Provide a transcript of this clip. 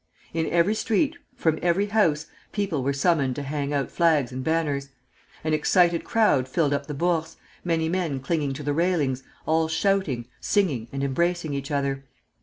In every street, from every house, people were summoned to hang out flags and banners. An excited crowd filled up the Bourse, many men clinging to the railings, all shouting, singing, and embracing each other.